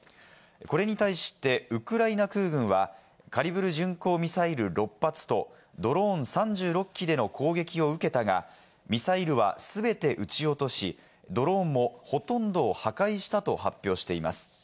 これに対してウクライナ空軍は「カリブル」巡航ミサイル６発とドローン３６機での攻撃を受けたが、ミサイルは全て撃ち落とし、ドローンもほとんど破壊したと発表しています。